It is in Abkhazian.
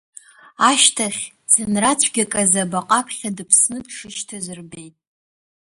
Ашьҭахь, ӡынра цәгьак азы абаҟа аԥхьа дыԥсны дшышьҭаз рбеит.